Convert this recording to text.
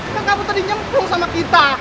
yang kamu tadi nyemplung sama kita